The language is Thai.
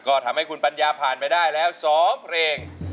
ก็ทำให้คุณปัญญาผ่านไปได้แล้ว๒เพลง